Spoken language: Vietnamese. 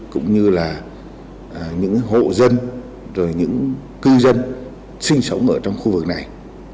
cũng như là những hộ dân những cư dân sinh sống ở trong khu vực này